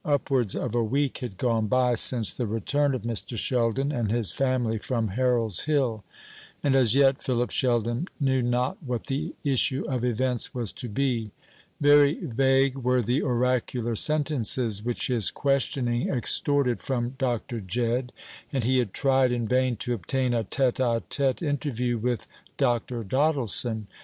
Upwards of a week had gone by since the return of Mr. Sheldon and his family from Harold's Hill: and as yet Philip Sheldon knew not what the issue of events was to be. Very vague were the oracular sentences which his questioning extorted from Dr. Jedd, and he had tried in vain to obtain a tête à tête interview with Dr. Doddleson.